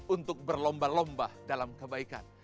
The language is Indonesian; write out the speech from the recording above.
untuk berlomba lomba dalam kebaikan